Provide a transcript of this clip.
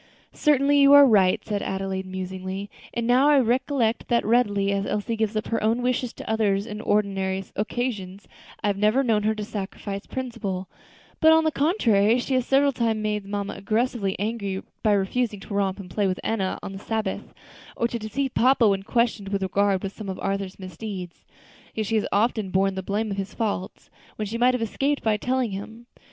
"Certainly, you are right," said Adelaide, musingly. "And now I recollect that, readily as Elsie gives up her own wishes to others on ordinary occasions, I have never known her to sacrifice principle; but, on the contrary, she has several times made mamma excessively angry by refusing to romp and play with Enna on the Sabbath, or to deceive papa when questioned with regard to some of Arthur's misdeeds; yet she has often borne the blame of his faults, when she might have escaped by telling of him.